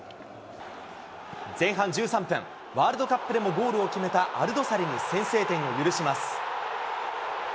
前半１３分、ワールドカップでもゴールを決めたアルドサリに先制点を許します。